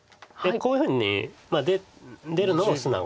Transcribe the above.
こういうふうに出るのも素直で。